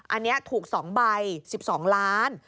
อันนี้ถูก๒ใบ๑๒ล้าน